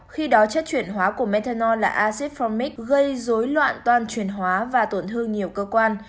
khi đó chất chuyển hóa của methanol là acid formic gây dối loạn toàn chuyển hóa và tổn thương nhiều cơ quan